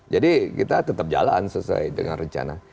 jadi kita tetap jalan sesuai dengan rencana